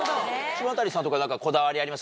島谷さんとか何かこだわりあります？